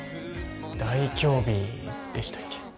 大凶日でしたっけ？